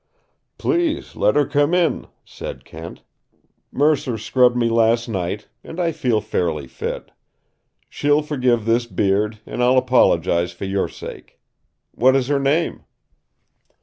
"Please let her come in," said Kent. "Mercer scrubbed me last night, and I feel fairly fit. She'll forgive this beard, and I'll apologize for your sake. What is her name?"